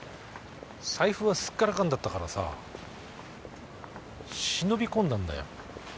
財布はすっからかんだったからさ忍び込んだんだよ。